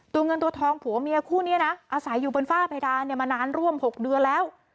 เงินตัวทองผัวเมียคู่นี้นะอาศัยอยู่บนฝ้าเพดานเนี่ยมานานร่วม๖เดือนแล้ว